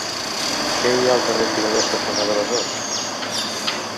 Què hi ha al carrer Tiradors cantonada Besòs?